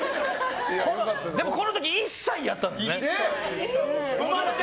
でも、この時１歳やったんですって。